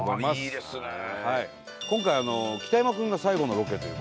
今回北山君が最後のロケという事で。